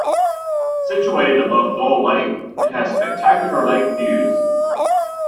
Situated above Gull Lake, it has spectacular lake views.